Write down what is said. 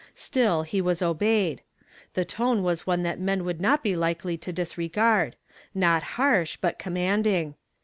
Still, he was obeyed. The tone was one that men would not be likely to dis regard—not harsh, but commanding.